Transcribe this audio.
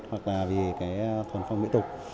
hoặc là vì cái thuần phong mỹ tục